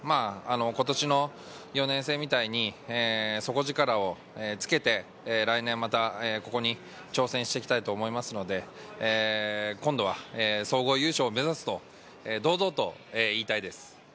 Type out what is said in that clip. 元気がいいのは３年生以下なので今年の４年生みたいに底力をつけて来年またここに挑戦していきたいと思いますので、今度は総合優勝を目指すと、堂々と言いたいです。